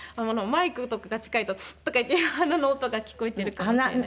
マイクとかが近いと「フン」とかいって鼻の音が聞こえているかもしれない。